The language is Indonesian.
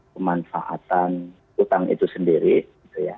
pemanfaatan utang itu sendiri gitu ya